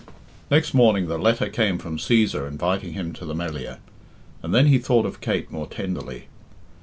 Next morning the letter came from Cæsar inviting him to the Melliah, and then he thought of Kate more tenderly.